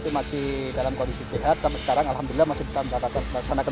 masih dalam kondisi sehat sampai sekarang alhamdulillah masih tetap akan berhasil